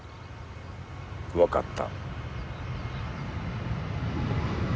分かった。